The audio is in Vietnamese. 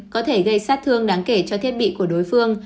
có thể gây sát thương đáng kể cho thiết bị của đối phương